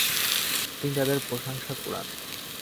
তিনি তাদের প্রশংসা কুড়ান।